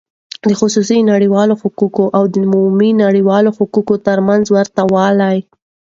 د خصوصی نړیوالو حقوقو او عمومی نړیوالو حقوقو تر منځ ورته والی :